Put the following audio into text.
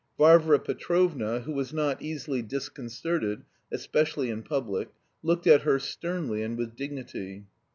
Varvara Petrovna, who was not easily disconcerted, especially in public, looked at her sternly and with dignity.